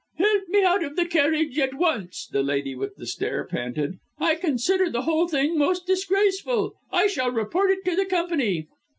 "Help me out of the carriage at once," the lady with the stare panted. "I consider the whole thing most disgraceful. I shall report it to the Company."